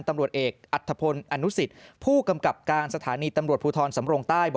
ตำรวจเอกอัธพลอนุสิตผู้กำกับการสถานีตำรวจภูทรสำรงใต้